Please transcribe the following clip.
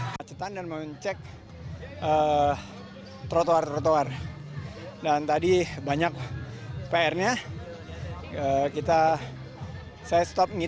pemacetan dan pemacetan